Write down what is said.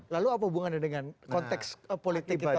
lalu apa hubungannya dengan konteks politik kita